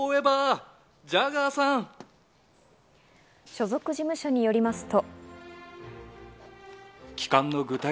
所属事務所によりますと。